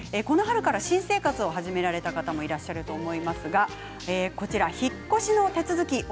この春から新生活を始められた方もいらっしゃると思いますが引っ越しの手続き